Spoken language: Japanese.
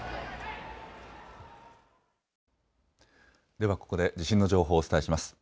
ではここで地震の情報をお伝えします。